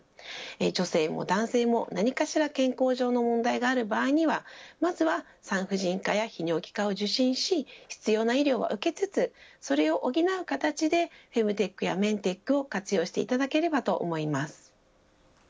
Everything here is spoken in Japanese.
男性も女性も何かしら健康上の問題がある場合にはまずは産婦人科や泌尿器科を受診し必要の医療は受けつつそれを補う形でフェムテックやメンテックを活用していただければと思います。